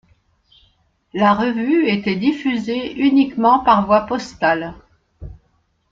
La revue était diffusée uniquement par voie postale.